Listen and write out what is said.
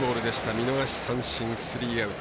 見逃し三振スリーアウト。